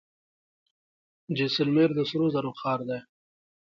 جیسلمیر د سرو زرو ښار دی.